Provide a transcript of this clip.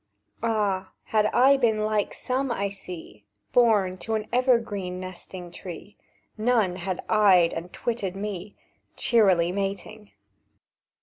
"Ah, had I been like some I see, Born to an evergreen nesting tree, None had eyed and twitted me, Cheerily mating!"